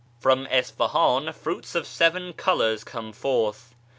('From Isfaliiln fruits of seven colours come forth.')